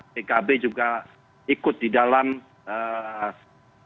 pkb juga ikut di dalam